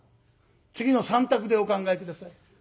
次の３択でお考え下さい。